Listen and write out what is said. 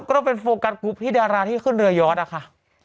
ก็เป็นโฟกัสกรุ๊ปที่ดาราที่ขึ้นเรือยอดอะค่ะ